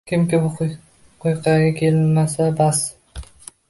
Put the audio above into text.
Kimki bu quyqaga kelolmasa bas